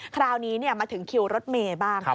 คราวนี้มาถึงคิวรถเมย์บ้าง